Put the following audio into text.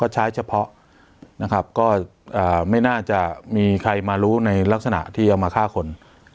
ใช้เฉพาะนะครับก็ไม่น่าจะมีใครมารู้ในลักษณะที่เอามาฆ่าคน